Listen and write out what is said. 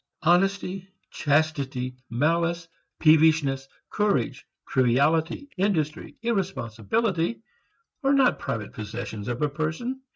Honesty, chastity, malice, peevishness, courage, triviality, industry, irresponsibility are not private possessions of a person.